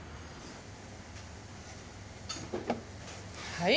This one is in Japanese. はい。